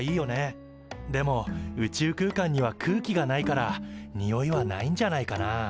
でも宇宙空間には空気がないからにおいはないんじゃないかな。